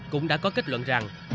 cũng đã có kết luận rằng